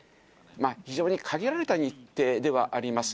非常に限られた日程ではあります。